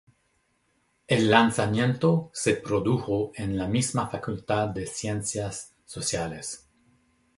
El lanzamiento se produjo en la misma facultad de Ciencias Sociales.